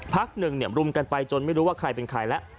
พักหนึ่งรุมกันไปจนไม่รู้ว่าใครเป็นใครแล้ว